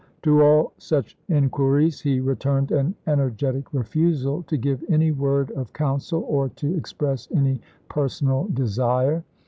To all such inquiries he returned an energetic refusal to give any word of counsel or to express any personal desire.